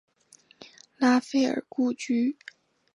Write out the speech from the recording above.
拉斐尔故居。